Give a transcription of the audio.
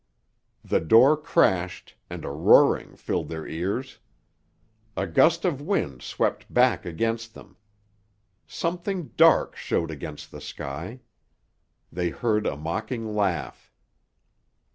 The door crashed—and a roaring filled their ears. A gust of wind swept back against them. Something dark showed against the sky. They heard a mocking laugh.